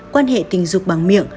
quan hệ tình dục bằng miệng